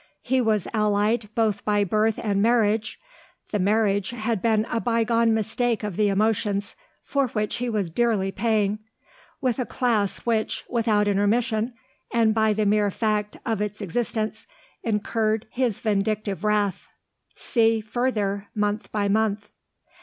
He was allied both by birth and marriage (the marriage had been a by gone mistake of the emotions, for which he was dearly paying) with a class which, without intermission, and by the mere fact of its existence, incurred his vindictive wrath. (See Further, month by month.)